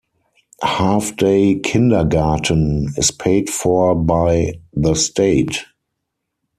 Half day kindergarten is paid for by the state.